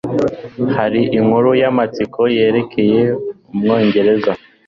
Hariho inkuru yamatsiko yerekeye Umwongereza.